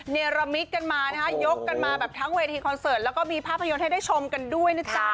เนรมิตกันมานะคะยกกันมาแบบทั้งเวทีคอนเสิร์ตแล้วก็มีภาพยนตร์ให้ได้ชมกันด้วยนะจ๊ะ